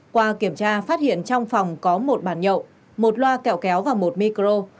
qua kiểm tra phát hiện trong phòng có một bàn nhậu một loa kẹo kéo và một micro